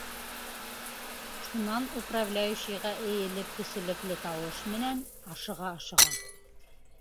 Шунан управляющийға эйелеп, кеселекле тауыш; менән ашыға-ашыға: